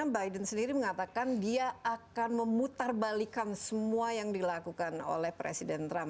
biden sendiri mengatakan dia akan memutarbalikan semua yang dilakukan oleh presiden trump